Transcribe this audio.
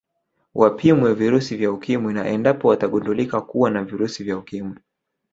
Wapimwe virusi vya Ukimwi na endapo watagundulika kuwa na virusi vya Ukimwi